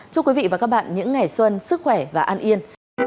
chúc quý vị và các bạn những ngày xuân sức khỏe và an yên